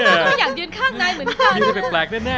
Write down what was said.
ไม่อยากยืนข้างนายเหมือนกัน